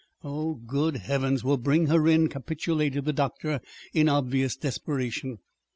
"Oh, good Heavens! Well, bring her in," capitulated the doctor in obvious desperation.